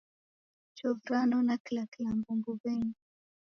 Chovu ranona kila kilambo mbuw'enyi.